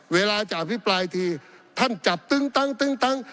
เวลาจะอภิปรายทีท่านจับตึ้งตัง